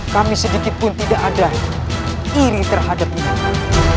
kami sedikit pun tidak ada iri terhadapnya